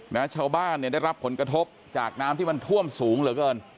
นะชาวบ้านเนี่ยได้รับผลกระทบจากน้ำที่มันท่วมสูงเหลือเกิน